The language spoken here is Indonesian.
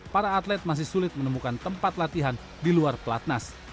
para atlet masih sulit menemukan tempat latihan di luar pelatnas